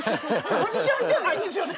マジシャンではないんですよね？